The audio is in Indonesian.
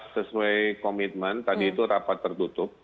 sesuai komitmen tadi itu rapat tertutup